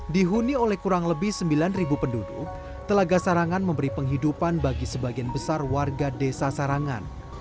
dihuni oleh kurang lebih sembilan penduduk telaga sarangan memberi penghidupan bagi sebagian besar warga desa sarangan